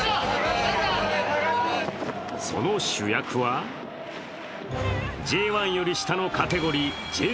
その主役はＪ１より下のカテゴリーＪ２。